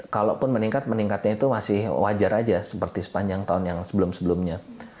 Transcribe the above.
kalaupun meningkat meningkatnya itu masih wajar aja seperti sepanjang tahun yang sebelum sebelumnya